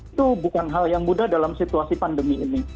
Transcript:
itu bukan hal yang mudah dalam situasi pandemi ini